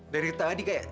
dari tadi kaya